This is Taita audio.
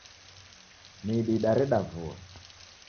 Midi idareda vua.